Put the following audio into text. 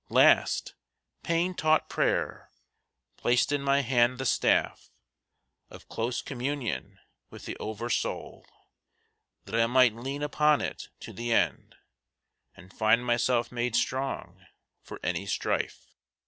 Last, pain taught prayer! placed in my hand the staff Of close communion with the over soul, That I might lean upon it to the end, And find myself made strong for any strife.